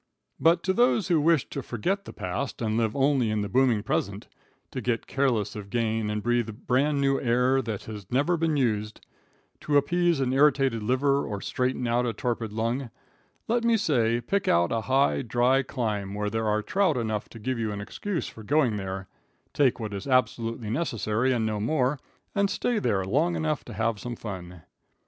But to those who wish to forget the past and live only in the booming present, to get careless of gain and breathe brand new air that has never been used, to appease an irritated liver, or straighten out a torpid lung, let me say, pick out a high, dry clime, where there are trout enough to give you an excuse for going there, take what is absolutely necessary and no more, and then stay there long enough to have some fun.